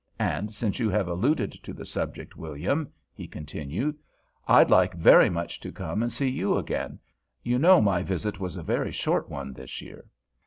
And since you have alluded to the subject, William," he continued, "I'd like very much to come and see you again; you know my visit was a very short one this year.